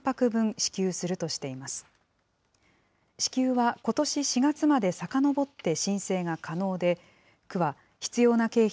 支給はことし４月までさかのぼって申請が可能で、区は必要な経費